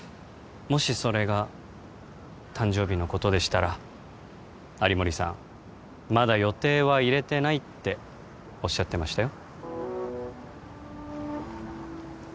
もしそれが誕生日のことでしたら有森さんまだ予定は入れてないっておっしゃってましたよ